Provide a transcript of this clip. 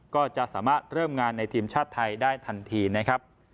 ก็จะสามารถเริ่มงานในทีมชาติไทยได้ทันทีนะครับ